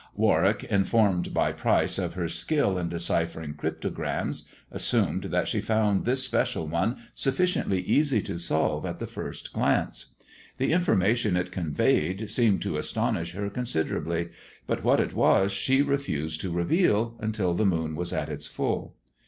Warwick, informed by Pryce of her skill in deciphering cryptograms, assumed that she found this special one sufficiently easy to solve at the first glance. The information it conveyed seemed to astonish her considerably; but what it was she refused to reveal until the moon was at its full.